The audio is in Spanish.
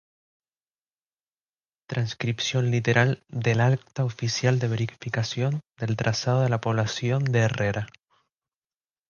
Transcripción literal del Acta Oficial de verificación del trazado de la población de Herrera.